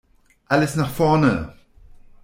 Alles nach vorne!